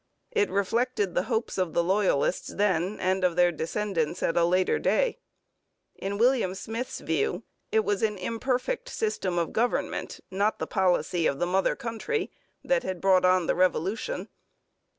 It reflected the hopes of the Loyalists then and of their descendants at a later day. In William Smith's view it was an imperfect system of government, not the policy of the mother country, that had brought on the Revolution.